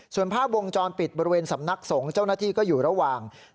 ส่วนภาพวงจรปิดบริเวณสำนักสงฆ์เจ้าหน้าที่ก็อยู่ระหว่าง